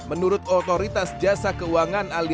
menurut otoritas jasa keuangan ali